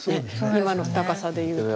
今の高さでいうとね。